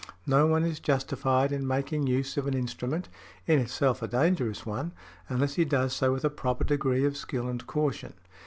No one is justified in making use of an instrument, in itself a dangerous one, unless he does so with a proper degree of skill and caution .